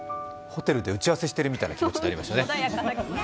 ホテルで打ち合わせしているみたいな気持ちになりましたね。